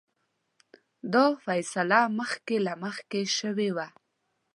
دا فیصله مخکې له مخکې شوې وه.